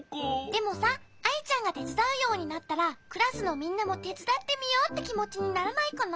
でもさアイちゃんがてつだうようになったらクラスのみんなもてつだってみようってきもちにならないかな？